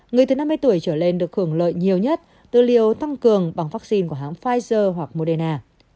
người từ năm mươi tuổi trở lên được hưởng lợi nhiều nhất từ liều tăng cường bằng vaccine của hãng pfizer hoặc moderna